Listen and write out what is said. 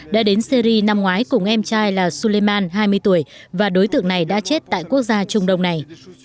đã đến syri năm ngoái cùng em trai là sulliman hai mươi tuổi và đối tượng này đã chết tại quốc gia trung đông này